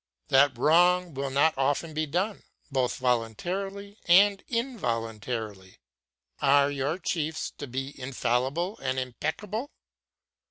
that wrong will not often be done, both voluntarily and involuntarily? Are your chiefs to be infallible and impeccable?